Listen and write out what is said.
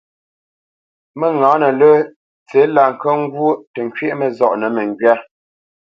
Məŋǎnə lə́ tsí lá nkə́ ŋgwó tə nkywɛ̂ʼ məzɔʼnə məŋgywâ.